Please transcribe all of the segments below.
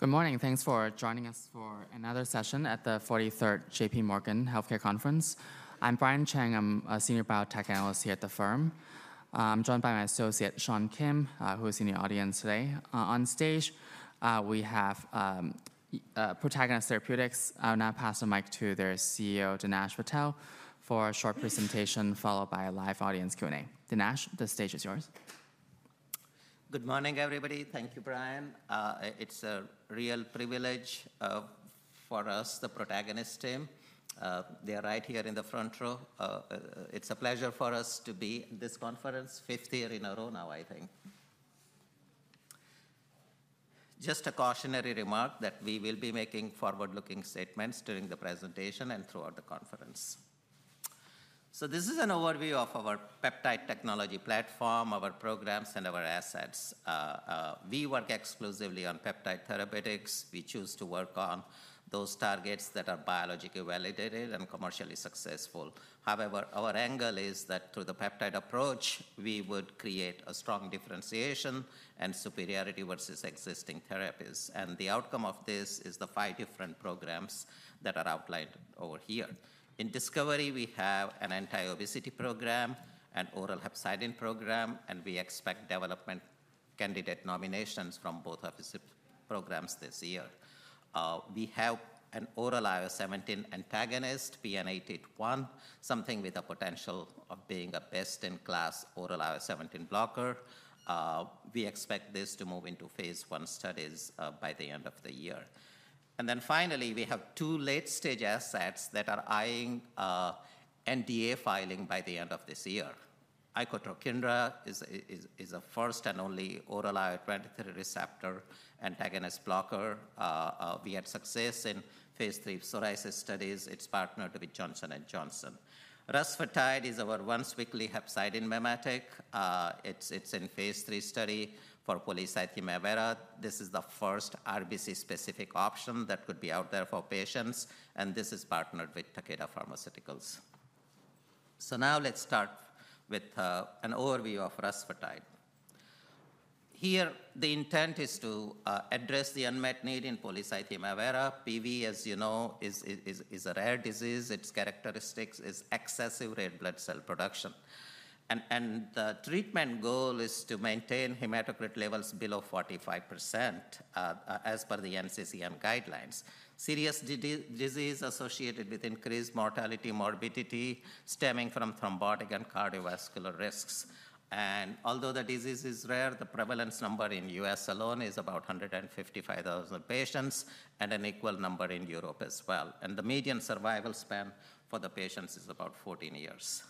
Good morning. Thanks for joining us for another session at the 43rd JPMorgan Healthcare Conference. I'm Brian Cheng. I'm a senior biotech analyst here at the firm. I'm joined by my associate, Sean Kim, who is in the audience today. On stage, we have Protagonist Therapeutics. I'll now pass the mic to their CEO, Dinesh Patel, for a short presentation followed by a live audience Q&A. Dinesh, the stage is yours. Good morning, everybody. Thank you, Brian. It's a real privilege for us, the Protagonist team. They are right here in the front row. It's a pleasure for us to be at this conference, fifth year in a row now, I think. Just a cautionary remark that we will be making forward-looking statements during the presentation and throughout the conference. So this is an overview of our peptide technology platform, our programs, and our assets. We work exclusively on peptide therapeutics. We choose to work on those targets that are biologically validated and commercially successful. However, our angle is that through the peptide approach, we would create a strong differentiation and superiority versus existing therapies. And the outcome of this is the five different programs that are outlined over here. In discovery, we have an anti-obesity program, an oral hepcidin program, and we expect development candidate nominations from both of these programs this year. We have an oral IL-17 antagonist, PN-881, something with the potential of being a best-in-class oral IL-17 blocker. We expect this to move into phase one studies by the end of the year, and then finally, we have two late-stage assets that are eyeing NDA filing by the end of this year. Icotrokinra is a first and only oral IL-23 receptor antagonist blocker. We had success in phase III psoriasis studies. It's partnered with Johnson & Johnson. Rusfertide is our once-weekly hepcidin mimetic. It's in phase III study for polycythemia vera. This is the first RBC-specific option that could be out there for patients, and this is partnered with Takeda Pharmaceuticals, so now let's start with an overview of rusfertide. Here, the intent is to address the unmet need in polycythemia vera. PV, as you know, is a rare disease. Its characteristics are excessive red blood cell production. And the treatment goal is to maintain hematocrit levels below 45% as per the NCCN guidelines. Serious disease associated with increased mortality and morbidity stemming from thrombotic and cardiovascular risks. And although the disease is rare, the prevalence number in the U.S. alone is about 155,000 patients and an equal number in Europe as well. And the median survival span for the patients is about 14 years.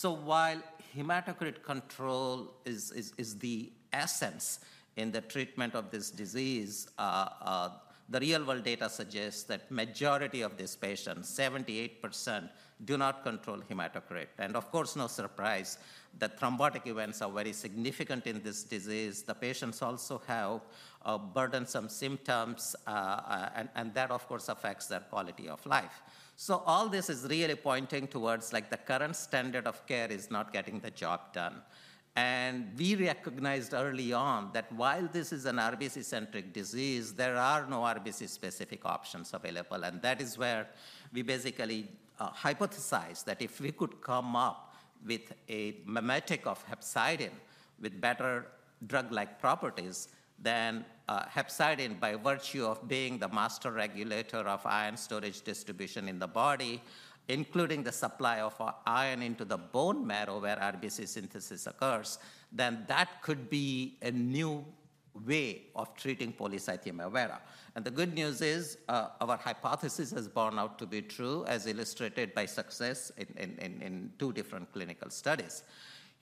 So while hematocrit control is the essence in the treatment of this disease, the real-world data suggests that the majority of these patients, 78%, do not control hematocrit. And of course, no surprise, the thrombotic events are very significant in this disease. The patients also have burdensome symptoms, and that, of course, affects their quality of life, so all this is really pointing towards the current standard of care is not getting the job done, and we recognized early on that while this is an RBC-centric disease, there are no RBC-specific options available, and that is where we basically hypothesized that if we could come up with a mimetic of hepcidin with better drug-like properties, then hepcidin, by virtue of being the master regulator of iron storage distribution in the body, including the supply of iron into the bone marrow where RBC synthesis occurs, then that could be a new way of treating polycythemia vera, and the good news is our hypothesis has borne out to be true, as illustrated by success in two different clinical studies.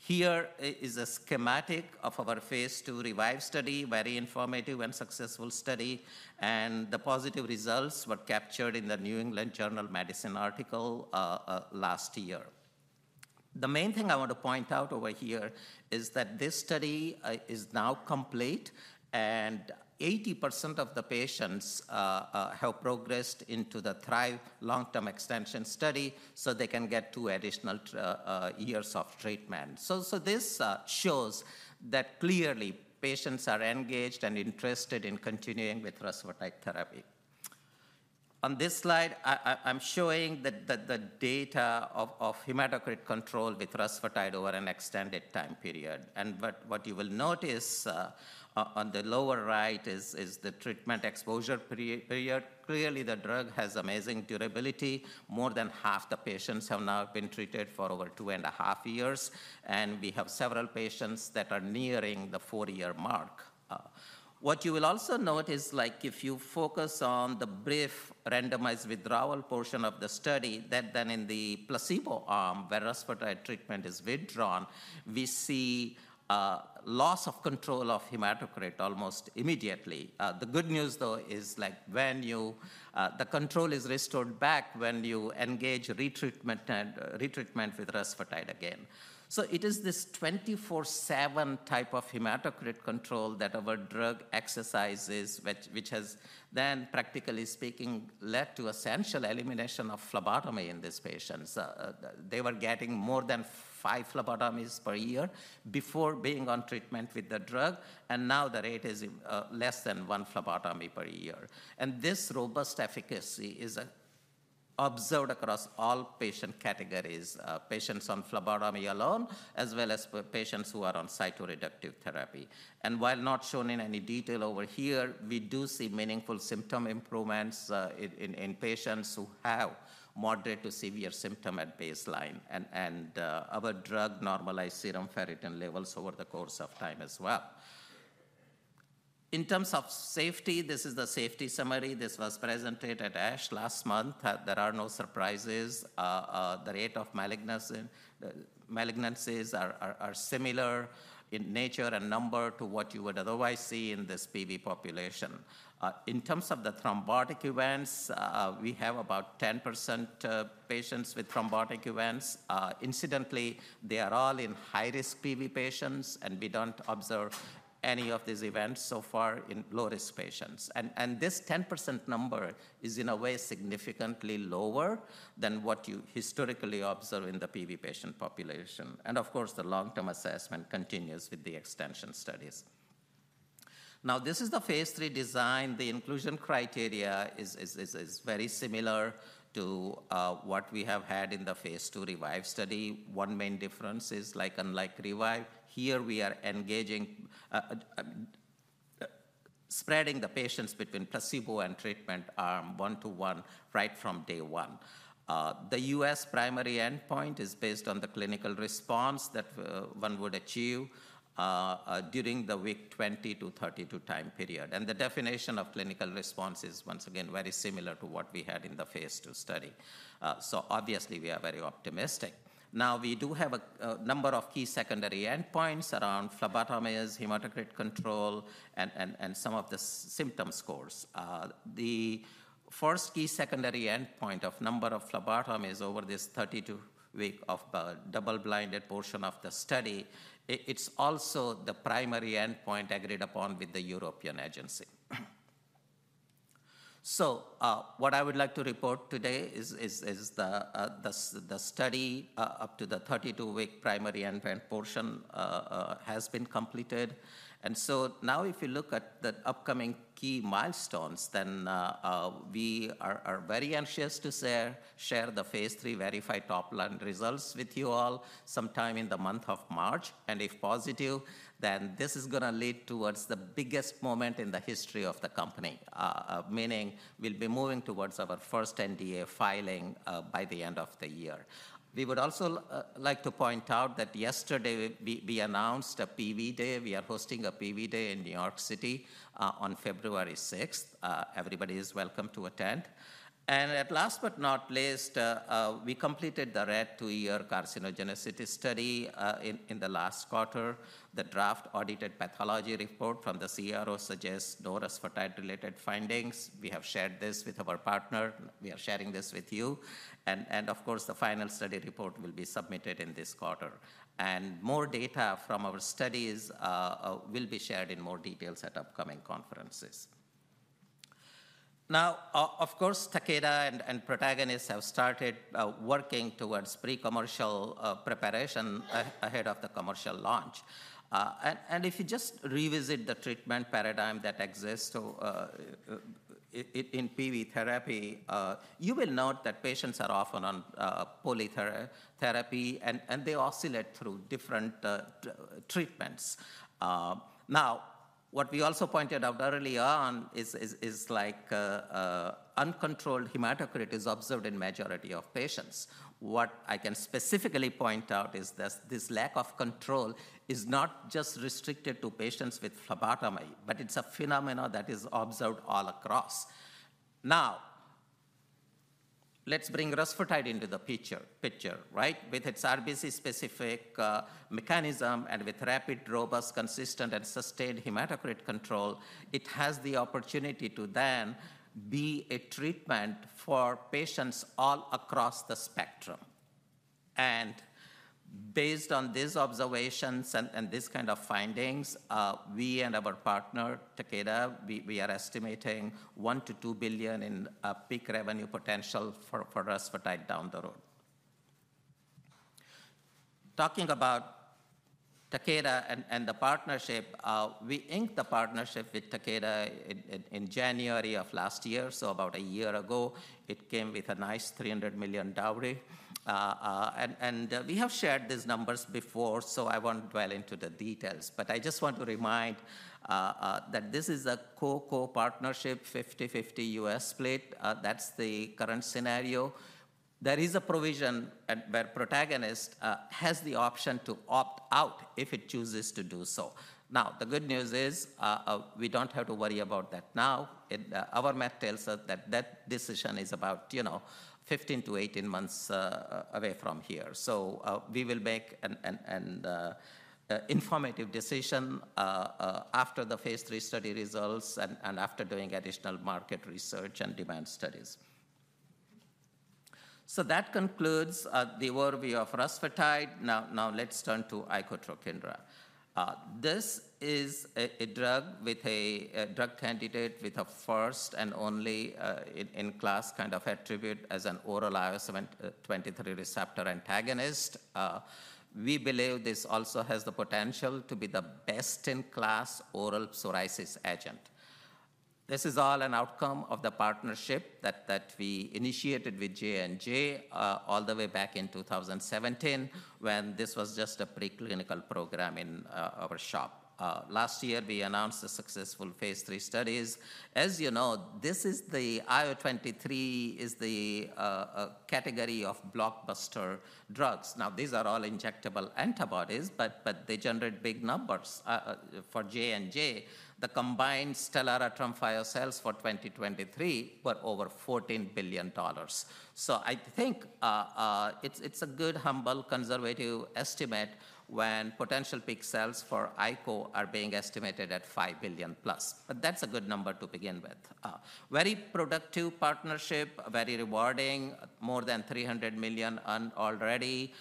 Here is a schematic of our phase II REVIVE study, a very informative and successful study, and the positive results were captured in the New England Journal of Medicine article last year. The main thing I want to point out over here is that this study is now complete, and 80% of the patients have progressed into the THRIVE long-term extension study so they can get two additional years of treatment, so this shows that clearly patients are engaged and interested in continuing with rusfertide therapy. On this slide, I'm showing the data of hematocrit control with rusfertide over an extended time period, and what you will notice on the lower right is the treatment exposure period. Clearly, the drug has amazing durability. More than half the patients have now been treated for over two and a half years, and we have several patients that are nearing the four-year mark. What you will also notice, if you focus on the brief randomized withdrawal portion of the study, that then in the placebo arm where rusfertide treatment is withdrawn, we see loss of control of hematocrit almost immediately. The good news, though, is when the control is restored back, when you engage retreatment with rusfertide again. So it is this 24/7 type of hematocrit control that our drug exercises, which has then, practically speaking, led to essentially elimination of phlebotomy in these patients. They were getting more than five phlebotomies per year before being on treatment with the drug. And now the rate is less than one phlebotomy per year. And this robust efficacy is observed across all patient categories: patients on phlebotomy alone, as well as patients who are on cytoreductive therapy. And while not shown in any detail over here, we do see meaningful symptom improvements in patients who have moderate to severe symptoms at baseline. And our drug normalized serum ferritin levels over the course of time as well. In terms of safety, this is the safety summary. This was presented at ASH last month. There are no surprises. The rate of malignancies are similar in nature and number to what you would otherwise see in this PV population. In terms of the thrombotic events, we have about 10% patients with thrombotic events. Incidentally, they are all in high-risk PV patients. And we don't observe any of these events so far in low-risk patients. And this 10% number is, in a way, significantly lower than what you historically observe in the PV patient population. And of course, the long-term assessment continues with the extension studies. Now, this is the phase III design. The inclusion criteria is very similar to what we have had in the phase II REVIVE study. One main difference is unlike REVIVE, here we are engaging, spreading the patients between placebo and treatment arm one to one right from day one. The U.S. primary endpoint is based on the clinical response that one would achieve during the week 20 to 32 time period, and the definition of clinical response is, once again, very similar to what we had in the phase II study, so obviously, we are very optimistic. Now, we do have a number of key secondary endpoints around phlebotomies, hematocrit control, and some of the symptom scores. The first key secondary endpoint of number of phlebotomies over this 32-week of the double-blind portion of the study. It's also the primary endpoint agreed upon with the European agency. What I would like to report today is the study up to the 32-week primary endpoint portion has been completed. Now, if you look at the upcoming key milestones, then we are very anxious to share the phase III VERIFY topline results with you all sometime in the month of March. If positive, then this is going to lead towards the biggest moment in the history of the company, meaning we'll be moving towards our first NDA filing by the end of the year. We would also like to point out that yesterday, we announced a PV Day. We are hosting a PV Day in New York City on February 6th. Everybody is welcome to attend. Last but not least, we completed the rat two-year carcinogenicity study in the last quarter. The draft audited pathology report from the CRO suggests no rusfertide-related findings. We have shared this with our partner. We are sharing this with you, and of course, the final study report will be submitted in this quarter, and more data from our studies will be shared in more detail at upcoming conferences. Now, of course, Takeda and Protagonist have started working towards pre-commercial preparation ahead of the commercial launch, and if you just revisit the treatment paradigm that exists in PV therapy, you will note that patients are often on polytherapy, and they oscillate through different treatments. Now, what we also pointed out early on is uncontrolled hematocrit is observed in the majority of patients. What I can specifically point out is this lack of control is not just restricted to patients with phlebotomy, but it's a phenomenon that is observed all across. Now, let's bring rusfertide into the picture, right? With its RBC-specific mechanism and with rapid, robust, consistent, and sustained hematocrit control, it has the opportunity to then be a treatment for patients all across the spectrum. And based on these observations and this kind of findings, we and our partner, Takeda, are estimating $1 billion-$2 billion in peak revenue potential for rusfertide down the road. Talking about Takeda and the partnership, we inked the partnership with Takeda in January of last year. So about a year ago, it came with a nice $300 million dowry. And we have shared these numbers before, so I won't dwell into the details. But I just want to remind that this is a co-co partnership, 50/50 U.S. split. That's the current scenario. There is a provision where Protagonist has the option to opt out if it chooses to do so. Now, the good news is we don't have to worry about that now. Our model tells us that that decision is about 15 months-18 months away from here. So we will make an informed decision after the phase III study results and after doing additional market research and demand studies. So that concludes the overview of rusfertide. Now, let's turn to icotrokinra. This is a drug candidate with a first and only in class kind of attribute as an oral IL-23 receptor antagonist. We believe this also has the potential to be the best-in-class oral psoriasis agent. This is all an outcome of the partnership that we initiated with J&J all the way back in 2017 when this was just a preclinical program in our shop. Last year, we announced the successful phase III studies. As you know, this is the IL-23 category of blockbuster drugs. Now, these are all injectable antibodies, but they generate big numbers. For J&J, the combined Stelara, Tremfya, Skyrizi sales for 2023 were over $14 billion. So I think it's a good, humble, conservative estimate when potential peak sales for icotrokinra are being estimated at $5 billion+. But that's a good number to begin with. Very productive partnership, very rewarding, more than $300 million already.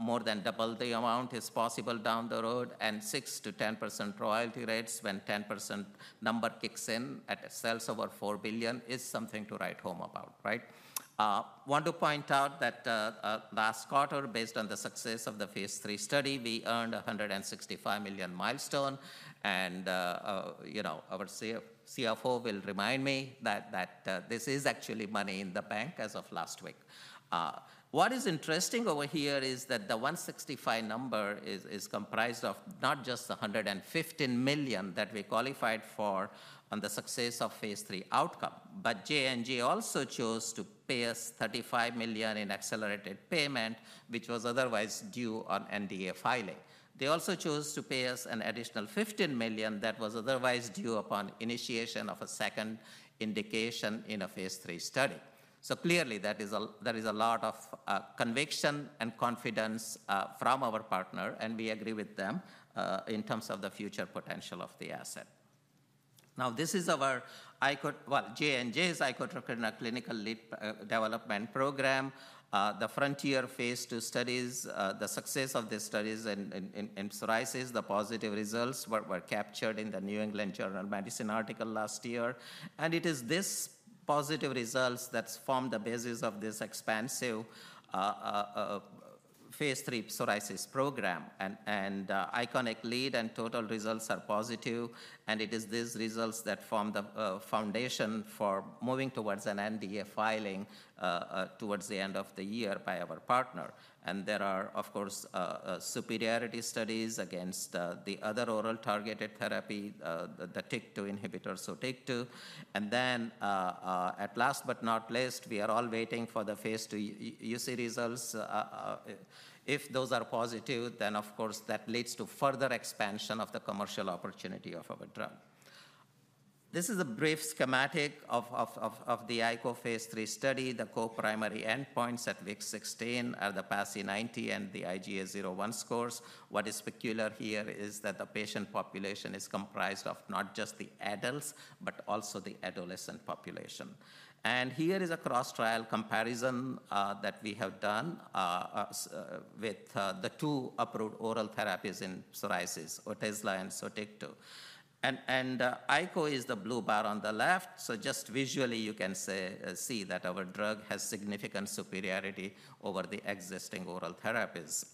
More than double the amount is possible down the road. And 6%-10% royalty rates when 10% number kicks in at sales over $4 billion is something to write home about, right? I want to point out that last quarter, based on the success of the phase III study, we earned a $165 million milestone. Our CFO will remind me that this is actually money in the bank as of last week. What is interesting over here is that the $165 million number is comprised of not just the $115 million that we qualified for on the success of phase III outcome, but J&J also chose to pay us $35 million in accelerated payment, which was otherwise due on NDA filing. They also chose to pay us an additional $15 million that was otherwise due upon initiation of a second indication in a phase III study. So clearly, there is a lot of conviction and confidence from our partner. And we agree with them in terms of the future potential of the asset. Now, this is our J&J's icotrokinra clinically led development program. The FRONTIER phase II studies, the success of these studies in psoriasis, the positive results were captured in the New England Journal of Medicine article last year. And it is this positive results that form the basis of this expansive phase III psoriasis program. And ICONIC-LEAD and ICONIC-TOTAL results are positive. And it is these results that form the foundation for moving towards an NDA filing towards the end of the year by our partner. And there are, of course, superiority studies against the other oral targeted therapy, the TYK2 inhibitor, SOTYKTU And then at last but not least, we are all waiting for the phase II UC results. If those are positive, then, of course, that leads to further expansion of the commercial opportunity of our drug. This is a brief schematic of the ICONIC phase III study. The co-primary endpoints at week 16 are the PASI 90 and the IGA 0/1 scores. What is peculiar here is that the patient population is comprised of not just the adults, but also the adolescent population. And here is a cross-trial comparison that we have done with the two approved oral therapies in psoriasis, Otezla and SOTYKTU. And ICO is the blue bar on the left. So just visually, you can see that our drug has significant superiority over the existing oral therapies,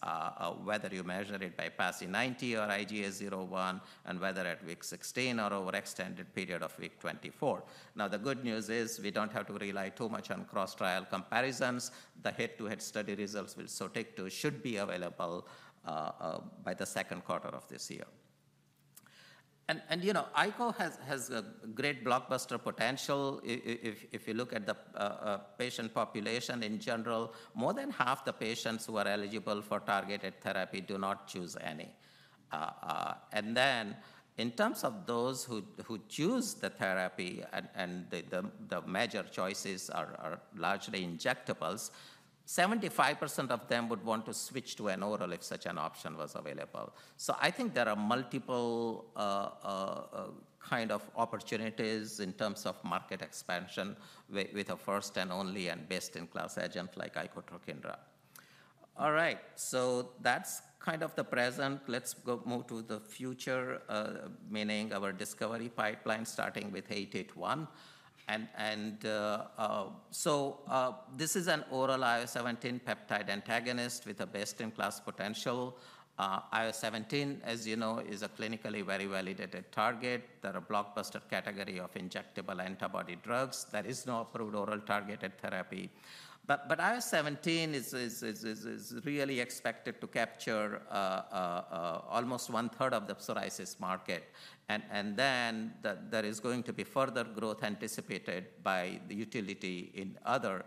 whether you measure it by PASI 90 or IGA 0/1, and whether at week 16 or over extended period of week 24. Now, the good news is we don't have to rely too much on cross-trial comparisons. The head-to-head study results with SOTYKTU should be available by the second quarter of this year. And ICO has great blockbuster potential. If you look at the patient population in general, more than half the patients who are eligible for targeted therapy do not choose any. And then in terms of those who choose the therapy, and the major choices are largely injectables, 75% of them would want to switch to an oral if such an option was available. So I think there are multiple kind of opportunities in terms of market expansion with a first and only and best-in-class agent like icotrokinra. All right. So that's kind of the present. Let's move to the future, meaning our discovery pipeline starting with 881. And so this is an oral IL-17 peptide antagonist with a best-in-class potential. IL-17, as you know, is a clinically very validated target. There are blockbuster category of injectable antibody drugs. There is no approved oral targeted therapy. IL-17 is really expected to capture almost one-third of the psoriasis market. There is going to be further growth anticipated by the utility in other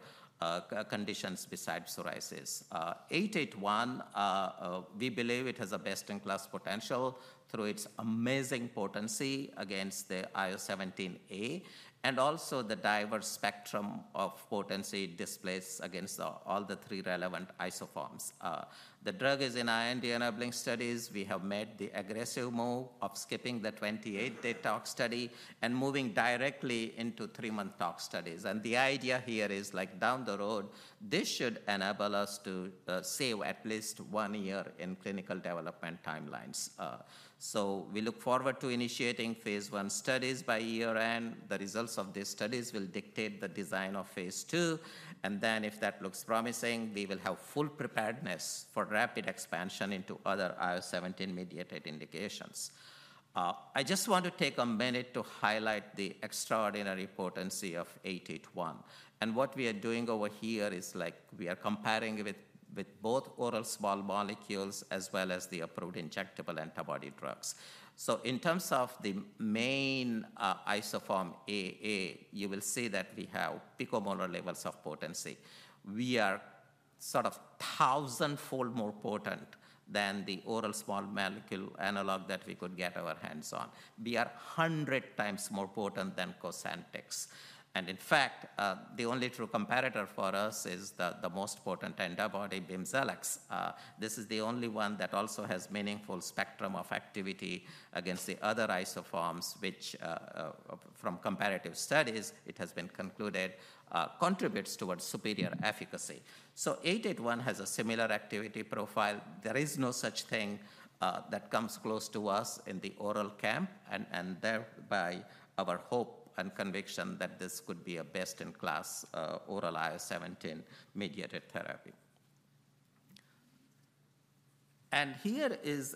conditions besides psoriasis. PN-881, we believe it has a best-in-class potential through its amazing potency against the IL-17A and also the diverse spectrum of potency displayed against all the three relevant isoforms. The drug is in our enabling studies. We have made the aggressive move of skipping the 28-day tox study and moving directly into three-month tox studies. The idea here is, like down the road, this should enable us to save at least one year in clinical development timelines. We look forward to initiating phase one studies by year-end. The results of these studies will dictate the design of phase II. If that looks promising, we will have full preparedness for rapid expansion into other IL-17-mediated indications. I just want to take a minute to highlight the extraordinary potency of 881, and what we are doing over here is we are comparing with both oral small molecules as well as the approved injectable antibody drugs, so in terms of the main isoform AA, you will see that we have picomolar levels of potency. We are sort of thousand-fold more potent than the oral small molecule analog that we could get our hands on. We are 100 times more potent than COSENTYX, and in fact, the only true comparator for us is the most potent antibody, BIMZELX. This is the only one that also has meaningful spectrum of activity against the other isoforms, which from comparative studies, it has been concluded, contributes towards superior efficacy, so 881 has a similar activity profile. There is no such thing that comes close to us in the oral camp. Thereby, our hope and conviction that this could be a best-in-class oral IL-17-mediated therapy. Here is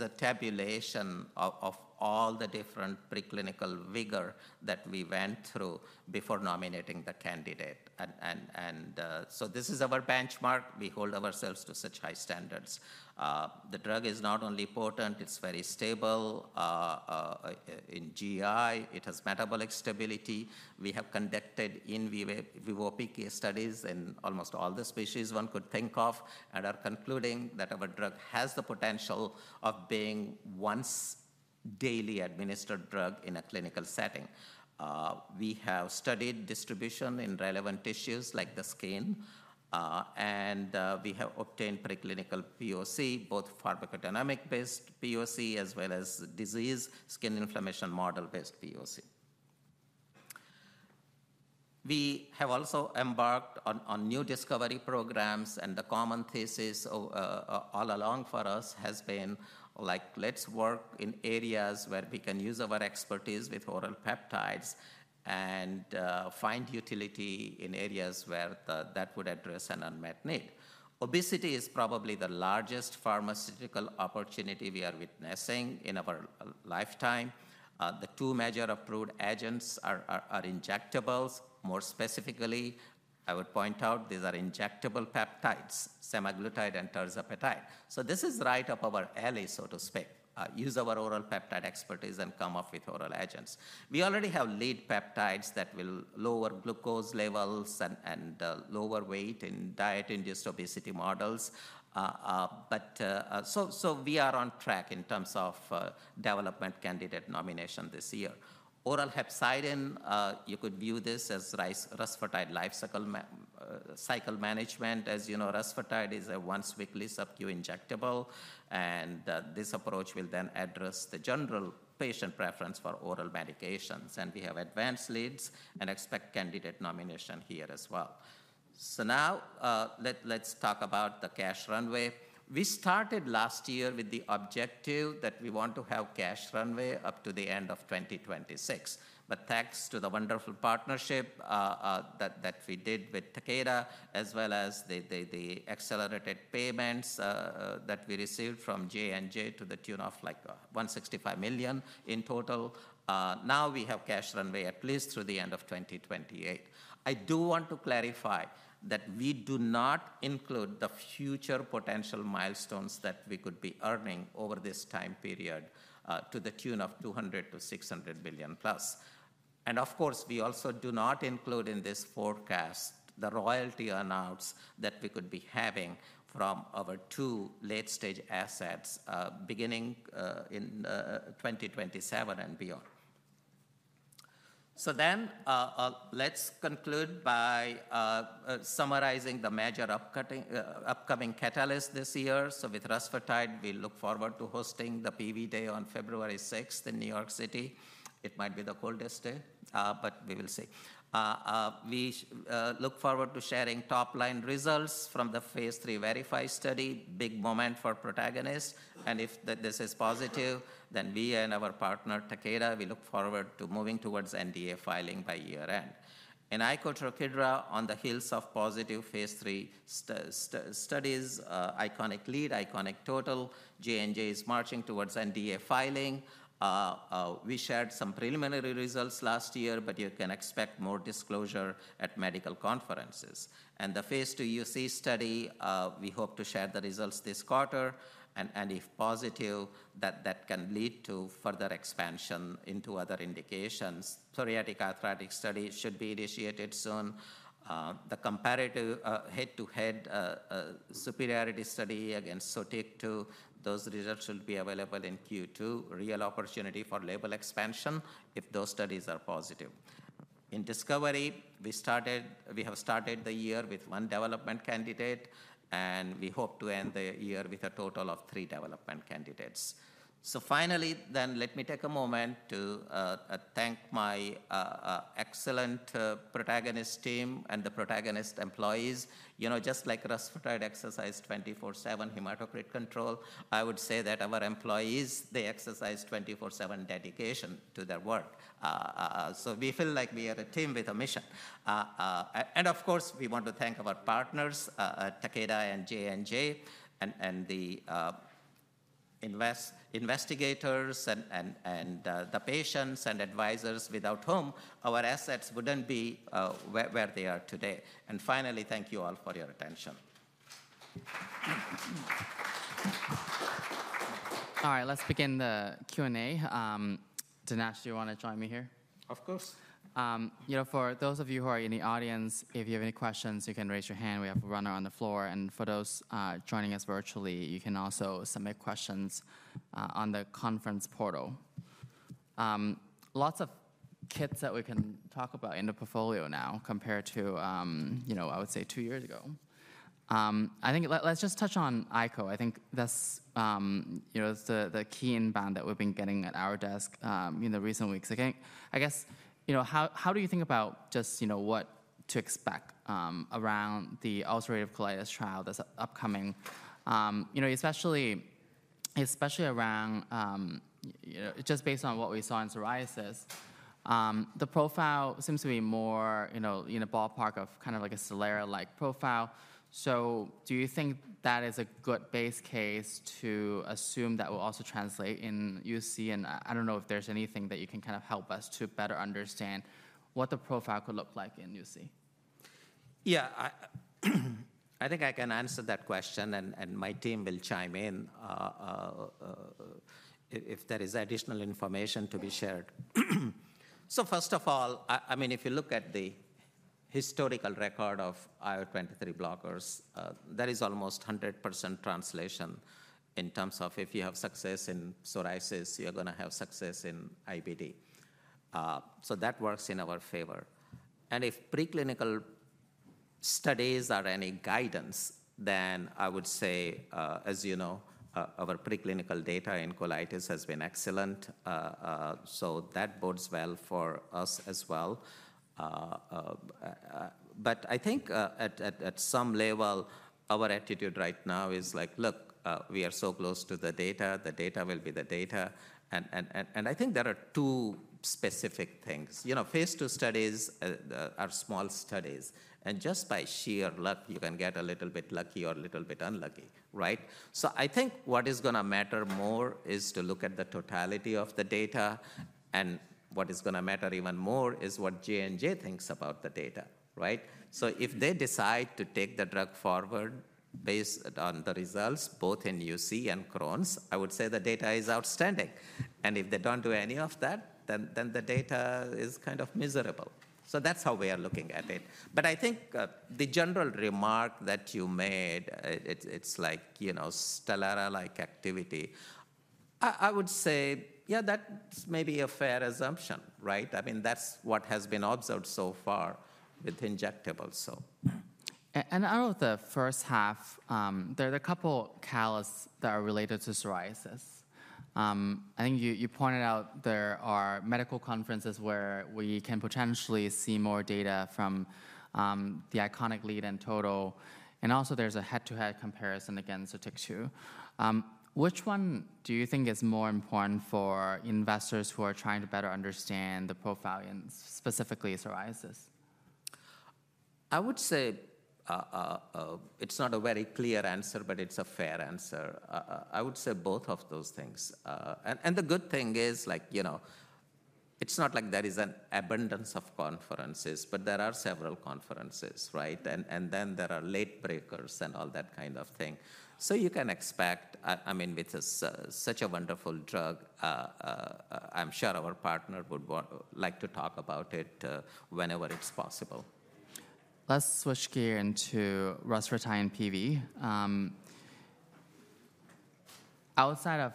a tabulation of all the different preclinical rigor that we went through before nominating the candidate. So this is our benchmark. We hold ourselves to such high standards. The drug is not only potent, it's very stable in GI. It has metabolic stability. We have conducted in vivo PK studies in almost all the species one could think of and are concluding that our drug has the potential of being once daily administered drug in a clinical setting. We have studied distribution in relevant tissues like the skin. We have obtained preclinical POC, both pharmacodynamic-based POC as well as disease skin inflammation model-based POC. We have also embarked on new discovery programs. The common thesis all along for us has been, like, let's work in areas where we can use our expertise with oral peptides and find utility in areas where that would address an unmet need. Obesity is probably the largest pharmaceutical opportunity we are witnessing in our lifetime. The two major approved agents are injectables. More specifically, I would point out these are injectable peptides, semaglutide and tirzepatide, so this is right up our alley, so to speak, use our oral peptide expertise and come up with oral agents. We already have lead peptides that will lower glucose levels and lower weight in diet-induced obesity models, so we are on track in terms of development candidate nomination this year. Oral hepcidin, you could view this as rusfertide lifecycle management. As you know, rusfertide is a once weekly sub-Q injectable. This approach will then address the general patient preference for oral medications. We have advanced leads and expect candidate nomination here as well. Now, let's talk about the cash runway. We started last year with the objective that we want to have cash runway up to the end of 2026. But thanks to the wonderful partnership that we did with Takeda, as well as the accelerated payments that we received from J&J to the tune of like $165 million in total, now we have cash runway at least through the end of 2028. I do want to clarify that we do not include the future potential milestones that we could be earning over this time period to the tune of $200 million-$600 million+. Of course, we also do not include in this forecast the royalty earnouts that we could be having from our two late-stage assets beginning in 2027 and beyond. So then let's conclude by summarizing the major upcoming catalysts this year. So with rusfertide, we look forward to hosting the PV Day on February 6th in New York City. It might be the coldest day, but we will see. We look forward to sharing top-line results from the phase III VERIFY study, big moment for Protagonist. And if this is positive, then we and our partner, Takeda, we look forward to moving towards NDA filing by year-end. In icotrokinra, on the heels of positive phase III studies, ICONIC-LEAD, ICONIC-TOTAL, J&J is marching towards NDA filing. We shared some preliminary results last year, but you can expect more disclosure at medical conferences. The phase II UC study, we hope to share the results this quarter. If positive, that can lead to further expansion into other indications. Psoriatic arthritis study should be initiated soon. The comparative head-to-head superiority study against SOTYKTU, those results should be available in Q2, real opportunity for label expansion if those studies are positive. In discovery, we have started the year with one development candidate. We hope to end the year with a total of three development candidates. Finally, then let me take a moment to thank my excellent Protagonist team and the Protagonist employees. Just like rusfertide 24/7 hematocrit control, I would say that our employees, they exercise 24/7 dedication to their work. We feel like we are a team with a mission. And of course, we want to thank our partners, Takeda and J&J, and the investigators and the patients and advisors without whom our assets wouldn't be where they are today. And finally, thank you all for your attention. All right. Let's begin the Q&A. Dinesh, do you want to join me here? Of course. For those of you who are in the audience, if you have any questions, you can raise your hand. We have a runner on the floor. And for those joining us virtually, you can also submit questions on the conference portal. Lots of kits that we can talk about in the portfolio now compared to, I would say, two years ago. I think let's just touch on ICO. I think that's the key inbound that we've been getting at our desk in the recent weeks. I guess, how do you think about just what to expect around the ulcerative colitis trial that's upcoming, especially around just based on what we saw in psoriasis, the profile seems to be more in the ballpark of kind of like a Stelara-like profile. So do you think that is a good base case to assume that will also translate in UC? I don't know if there's anything that you can kind of help us to better understand what the profile could look like in UC. Yeah. I think I can answer that question. And my team will chime in if there is additional information to be shared. So first of all, I mean, if you look at the historical record of IL-23 blockers, that is almost 100% translation in terms of if you have success in psoriasis, you're going to have success in IBD. So that works in our favor. And if preclinical studies are any guidance, then I would say, as you know, our preclinical data in colitis has been excellent. So that bodes well for us as well. But I think at some level, our attitude right now is like, look, we are so close to the data. The data will be the data. And I think there are two specific things. phase II studies are small studies. And just by sheer luck, you can get a little bit lucky or a little bit unlucky, right? So I think what is going to matter more is to look at the totality of the data. And what is going to matter even more is what J&J thinks about the data, right? So if they decide to take the drug forward based on the results, both in UC and Crohn's, I would say the data is outstanding. And if they don't do any of that, then the data is kind of miserable. So that's how we are looking at it. But I think the general remark that you made, it's like Stelara-like activity, I would say, yeah, that's maybe a fair assumption, right? I mean, that's what has been observed so far with injectables, so. Out of the first half, there are a couple of catalysts that are related to psoriasis. I think you pointed out there are medical conferences where we can potentially see more data from the ICONIC-LEAD and TOTAL. Also, there's a head-to-head comparison against SOTYKTU. Which one do you think is more important for investors who are trying to better understand the profile and specifically psoriasis? I would say it's not a very clear answer, but it's a fair answer. I would say both of those things. And the good thing is, like, it's not like there is an abundance of conferences, but there are several conferences, right? And then there are late breakers and all that kind of thing. So you can expect, I mean, with such a wonderful drug, I'm sure our partner would like to talk about it whenever it's possible. Let's switch gear into rusfertide and PV. Outside of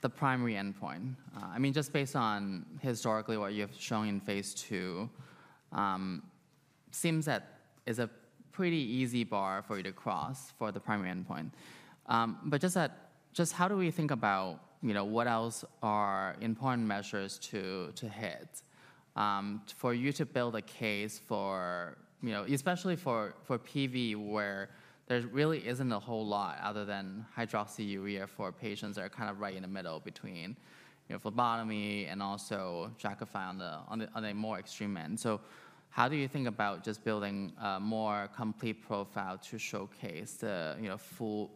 the primary endpoint, I mean, just based on historically what you have shown in phase II, it seems that is a pretty easy bar for you to cross for the primary endpoint. But just how do we think about what else are important measures to hit for you to build a case for, especially for PV, where there really isn't a whole lot other than hydroxyurea for patients that are kind of right in the middle between phlebotomy and also Jakafi on the more extreme end. So how do you think about just building a more complete profile to showcase the full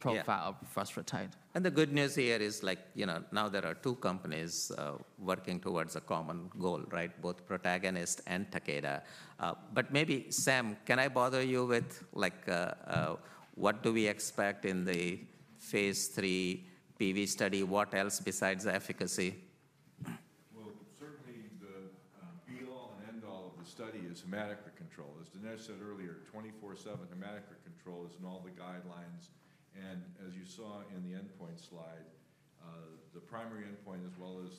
profile of rusfertide? And the good news here is now there are two companies working towards a common goal, right? Both Protagonist and Takeda. But maybe, Sam, can I bother you with what do we expect in the phase III PV study? What else besides efficacy? Certainly, the be-all and end-all of the study is hematocrit control. As Dinesh said earlier, 24/7 hematocrit control is in all the guidelines. As you saw in the endpoint slide, the primary endpoint, as well as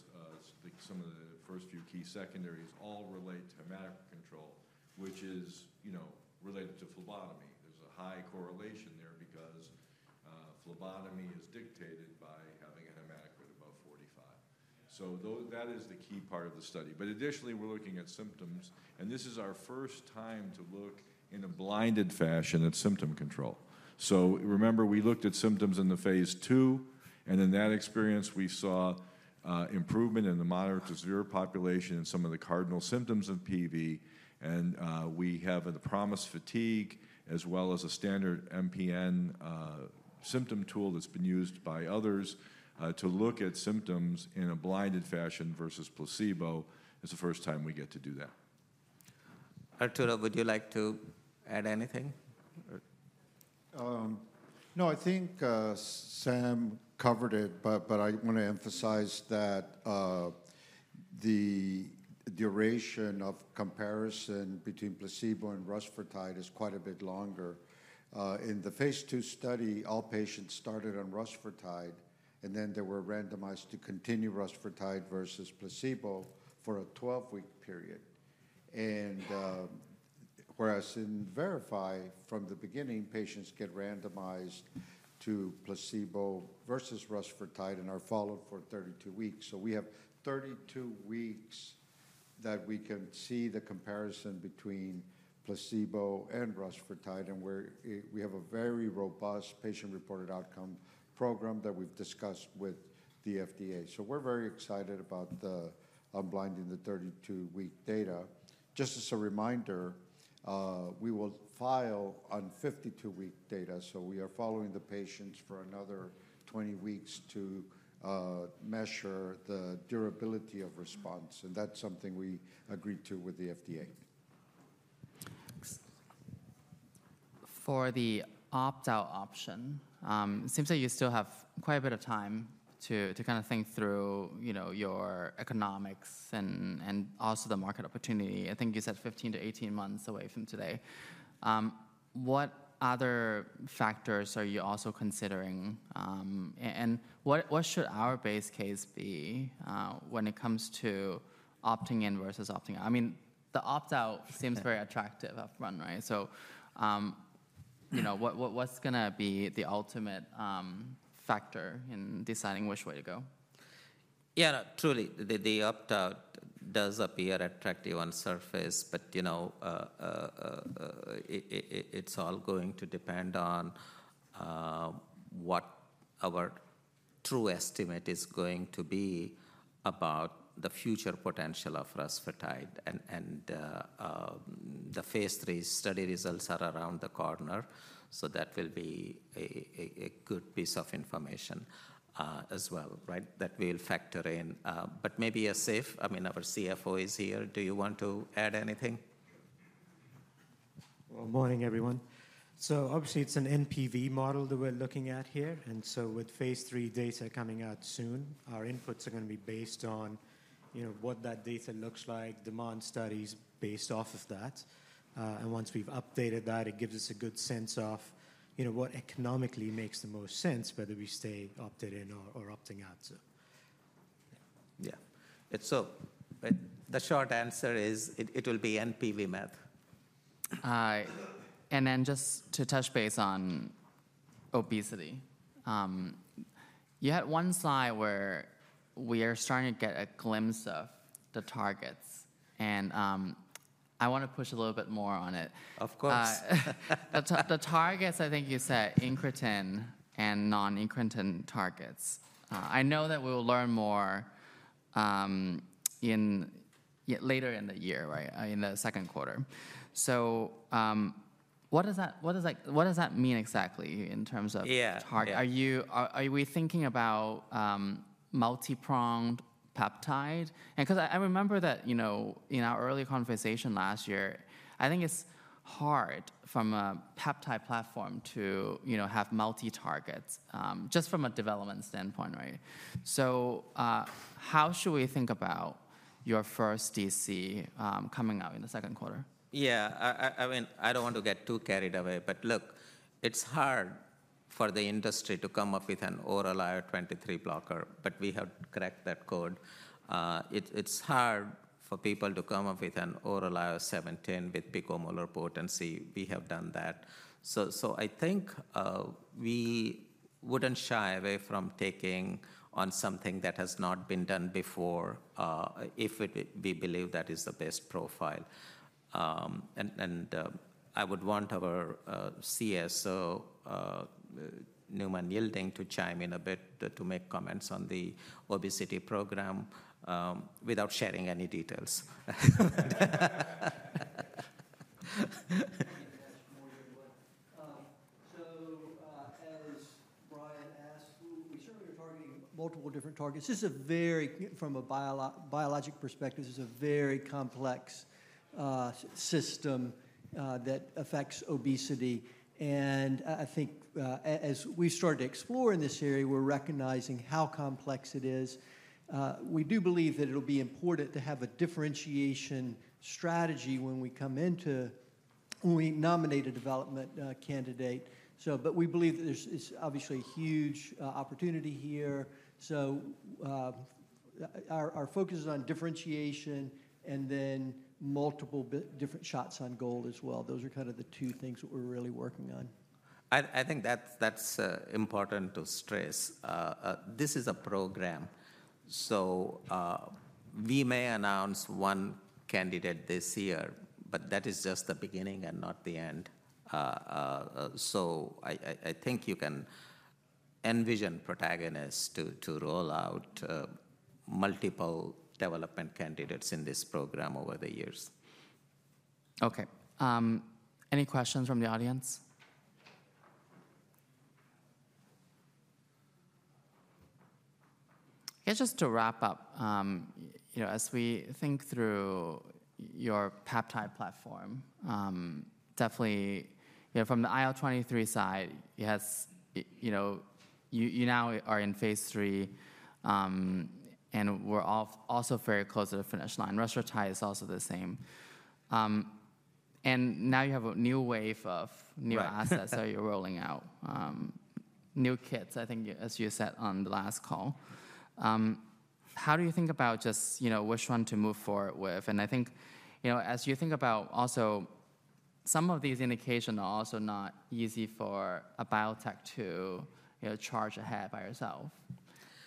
some of the first few key secondaries, all relate to hematocrit control, which is related to phlebotomy. There's a high correlation there because phlebotomy is dictated by having a hematocrit above 45%. That is the key part of the study. Additionally, we're looking at symptoms. This is our first time to look in a blinded fashion at symptom control. Remember, we looked at symptoms in the phase II. In that experience, we saw improvement in the moderate to severe population and some of the cardinal symptoms of PV. We have the promised fatigue, as well as a standard MPN symptom tool that's been used by others to look at symptoms in a blinded fashion versus placebo. It's the first time we get to do that. Arturo, would you like to add anything? No, I think Sam covered it. But I want to emphasize that the duration of comparison between placebo and rusfertide is quite a bit longer. In the phase II study, all patients started on rusfertide, and then they were randomized to continue rusfertide versus placebo for a 12-week period. And whereas in Verify, from the beginning, patients get randomized to placebo versus rusfertide and are followed for 32 weeks. So we have 32 weeks that we can see the comparison between placebo and rusfertide. And we have a very robust patient-reported outcome program that we've discussed with the FDA. So we're very excited about unblinding the 32-week data. Just as a reminder, we will file on 52-week data. So we are following the patients for another 20 weeks to measure the durability of response. And that's something we agreed to with the FDA. For the opt-out option, it seems that you still have quite a bit of time to kind of think through your economics and also the market opportunity. I think you said 15-18 months away from today. What other factors are you also considering? And what should our base case be when it comes to opting in versus opting out? I mean, the opt-out seems very attractive upfront, right? So what's going to be the ultimate factor in deciding which way to go? Yeah, truly. The opt-out does appear attractive on the surface, but it's all going to depend on what our true estimate is going to be about the future potential of rusfertide, and the phase III study results are around the corner, so that will be a good piece of information as well, right, that we'll factor in, but maybe Asif, I mean, our CFO is here. Do you want to add anything? Morning, everyone. Obviously, it's an NPV model that we're looking at here. With phase III data coming out soon, our inputs are going to be based on what that data looks like, demand studies based off of that. Once we've updated that, it gives us a good sense of what economically makes the most sense, whether we stay opted in or opting out. Yeah, so the short answer is it will be NPV math. Then just to touch base on obesity, you had one slide where we are starting to get a glimpse of the targets. I want to push a little bit more on it. Of course. The targets, I think you said incretin and non-incretin targets. I know that we will learn more later in the year, right, in the second quarter. So what does that mean exactly in terms of target? Are we thinking about multi-pronged peptide? Because I remember that in our early conversation last year, I think it's hard from a peptide platform to have multi-targets just from a development standpoint, right? So how should we think about your first DC coming out in the second quarter? Yeah. I mean, I don't want to get too carried away. But look, it's hard for the industry to come up with an oral IL-23 blocker. But we have cracked that code. It's hard for people to come up with an oral IL-17 with picomolar potency. We have done that. So I think we wouldn't shy away from taking on something that has not been done before if we believe that is the best profile. And I would want our CSO, Newman Yeilding, to chime in a bit to make comments on the obesity program without sharing any details. So as Brian asked, we certainly are targeting multiple different targets. From a biologic perspective, this is a very complex system that affects obesity. And I think as we start to explore in this area, we're recognizing how complex it is. We do believe that it'll be important to have a differentiation strategy when we nominate a development candidate. But we believe that there's obviously a huge opportunity here. So our focus is on differentiation and then multiple different shots on goal as well. Those are kind of the two things that we're really working on. I think that's important to stress. This is a program. So we may announce one candidate this year, but that is just the beginning and not the end. So I think you can envision Protagonist to roll out multiple development candidates in this program over the years. Okay. Any questions from the audience? I guess just to wrap up, as we think through your peptide platform, definitely from the IL-23 side, you now are in phase III, and we're also very close to the finish line. Rusfertide is also the same, and now you have a new wave of new assets that you're rolling out, new kits, I think, as you said on the last call. How do you think about just which one to move forward with, and I think as you think about also, some of these indications are also not easy for a biotech to charge ahead by itself?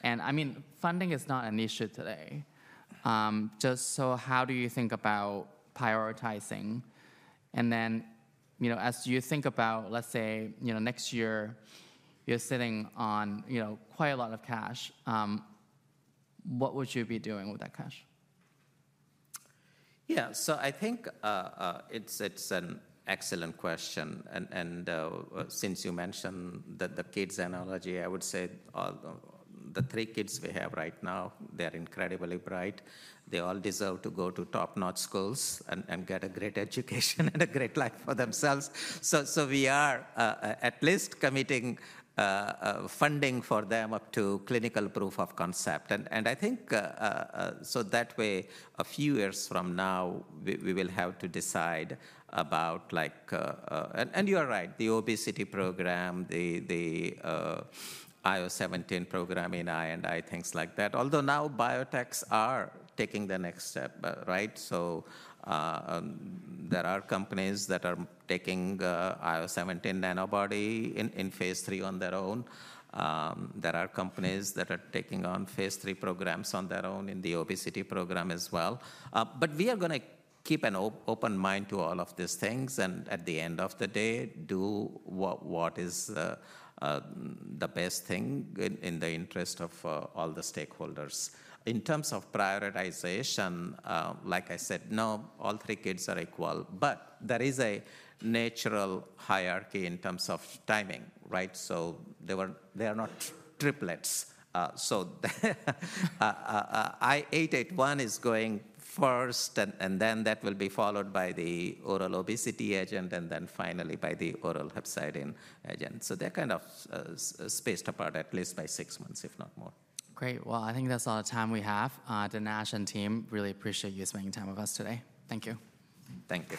And I mean, funding is not an issue today. Just so how do you think about prioritizing, and then as you think about, let's say, next year, you're sitting on quite a lot of cash. What would you be doing with that cash? Yeah. So I think it's an excellent question. Since you mentioned the kids analogy, I would say the three kids we have right now, they are incredibly bright. They all deserve to go to top-notch schools and get a great education and a great life for themselves. So we are at least committing funding for them up to clinical proof of concept. I think so that way, a few years from now, we will have to decide about, and you are right, the obesity program, the IL-17 program in I&I, things like that. Although now biotechs are taking the next step, right? So there are companies that are taking IL-17 nanobody in phase III on their own. There are companies that are taking on phase III programs on their own in the obesity program as well. But we are going to keep an open mind to all of these things. And at the end of the day, do what is the best thing in the interest of all the stakeholders. In terms of prioritization, like I said, no, all three kids are equal. But there is a natural hierarchy in terms of timing, right? So they are not triplets. So PN-881 is going first, and then that will be followed by the oral obesity agent, and then finally by the oral hepcidin agent. So they're kind of spaced apart at least by six months, if not more. Great. Well, I think that's all the time we have. Dinesh and team, really appreciate you spending time with us today. Thank you. Thank you.